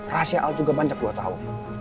rahasia al juga banyak gue tau